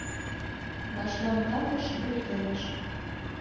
Башланған эш — бөткән эш.